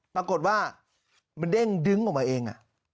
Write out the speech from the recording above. ปรากฏว่ามันเด้งดึงออกมาเอง